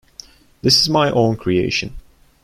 This is my own creation.